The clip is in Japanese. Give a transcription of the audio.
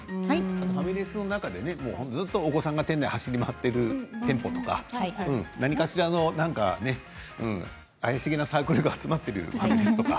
ファミレスの中でずっとお子さんが店内を走り回ってる店舗とか何かしらの怪しげなサークルが集まっているとか。